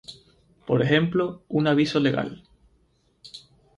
Por ejemplo, un aviso legal.